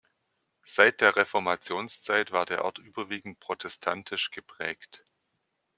Seit der Reformationszeit war der Ort überwiegend protestantisch geprägt.